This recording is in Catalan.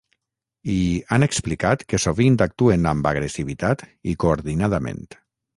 I, han explicat que sovint actuen amb agressivitat i coordinadament.